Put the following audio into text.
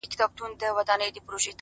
دا چا ويله چي باڼه چي په زړه بد لگيږي”